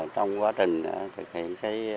trong quá trình thực hiện